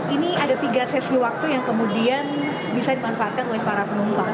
ini ada tiga sesi waktu yang kemudian bisa dimanfaatkan oleh para penumpang